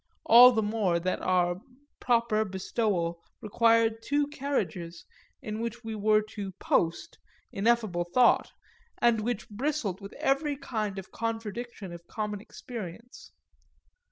all the more that our proper bestowal required two carriages, in which we were to "post," ineffable thought, and which bristled with every kind of contradiction of common experience.